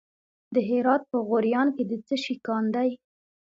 د هرات په غوریان کې د څه شي کان دی؟